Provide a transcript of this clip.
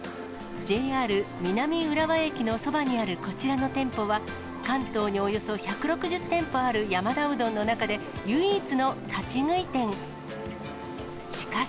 ＪＲ南浦和駅のそばにあるこちらの店舗は、関東におよそ１６０店舗ある山田うどんの中で、唯一の立ち食い店。